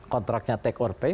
kontraknya take or pay